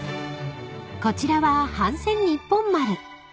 ［こちらは帆船日本丸］